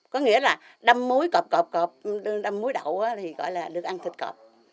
có nghĩa là đâm muối cọp cọp cọp đâm muối đậu thì gọi là được ăn thịt cọp